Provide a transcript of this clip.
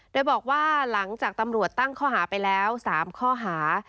โดยบอกว่าหลังจากตำรวจตั้งข้อหาไปแล้ว๓ข้อหา